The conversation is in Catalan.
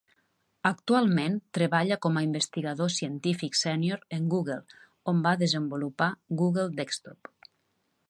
Actualment treballa com a investigador científic sènior en Google, on va desenvolupar Google Desktop.